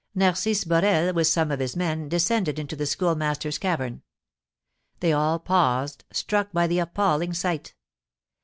Narcisse Borel, with some of his men, descended into the Schoolmaster's cavern. They all paused, struck by the appalling sight.